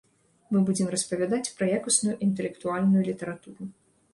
Мы будзем распавядаць пра якасную інтэлектуальную літаратуру.